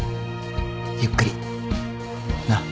ゆっくりなっ。